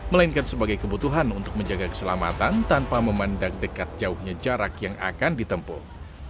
melainkan sebagai kebutuhan untuk menjaga keselamatan tanpa memandang dekat jauhnya jarak yang akan ditempuh